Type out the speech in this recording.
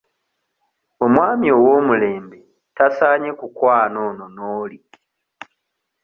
Omwami ow'omulembe tasaanye kukwana ono n'oli.